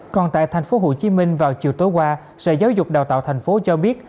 còn tại tp hcm vào chiều tối qua sở giáo dục đào tạo tp hcm cho biết